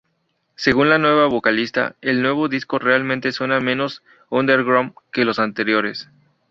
Según la nueva vocalista, "El nuevo disco realmente suena menos underground que los anteriores.